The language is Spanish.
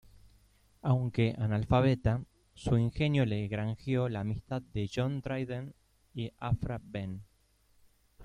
Aunque analfabeta, su ingenio le granjeó la amistad de John Dryden y Aphra Behn.